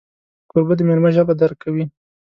کوربه د میلمه ژبه درک کوي.